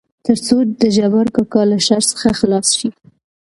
تر څو دجبار کاکا له شر څخه خلاص شي.